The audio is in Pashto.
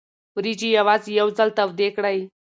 وریجې یوازې یو ځل تودې کړئ.